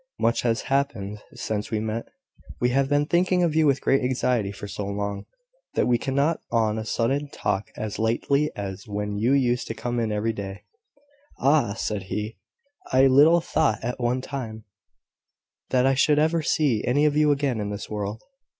Much has happened since we met. We have been thinking of you with great anxiety for so long, that we cannot on a sudden talk as lightly as when you used to come in every day." "Ah!" said he, "I little thought, at one time, that I should ever see any of you again in this world."